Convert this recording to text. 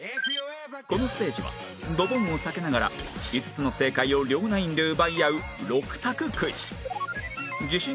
このステージはドボンを避けながら５つの正解を両ナインで奪い合う６択クイズ